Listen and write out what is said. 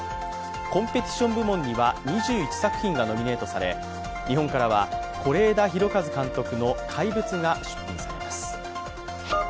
コンペティション部門には２１作品がノミネートされ、日本からは是枝裕和監督の「怪物」が出品されます。